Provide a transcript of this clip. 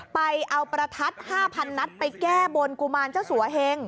ไปเอาประทัด๕๐๐นัดไปแก้บนกุมารเจ้าสัวเฮง